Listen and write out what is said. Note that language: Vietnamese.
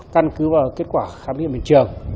căn cứ và kết quả khám nghiệm hiện trường